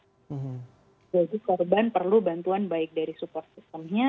jadi korban perlu bantuan baik dari support systemnya